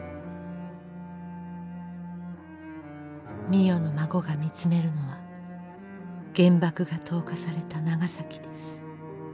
美世の孫が見つめるのは原爆が投下された長崎です。